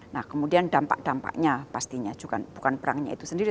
nah kemudian dampak dampaknya pastinya bukan perangnya itu sendiri